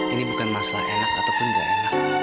ini bukan masalah enak ataupun enggak enak